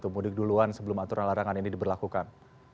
mudik duluan sebelum aturan larangan ini diberlakukan